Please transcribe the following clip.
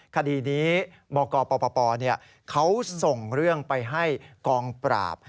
คดีนี้บกปปเขาส่งเรื่องไปให้กองปราบ